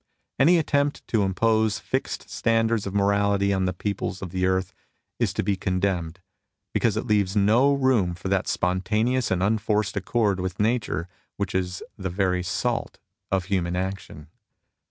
Any attempt to impose fixed standards of morality on the peoples of the earth is to be condemned, because it leaves no room for that spontaneous and unforced accord with nature which is the very salt of human action.